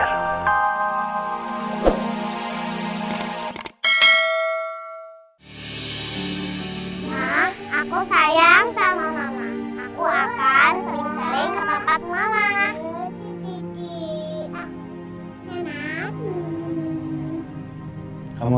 aku sayang sama mama aku akan sering sering ke papat mama